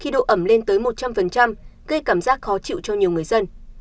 khi độ ẩm lên tới một trăm linh gây cảm giác khó chịu cho nhiều người dân